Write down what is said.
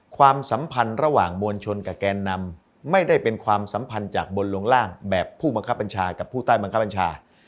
ความสัมพันธ์ระหว่างมวลชนกับแกนนำไม่ได้เป็นความสัมพันธ์จากบนลงล่างแบบผู้บังคับบัญชากับผู้ใต้บังคับบัญชา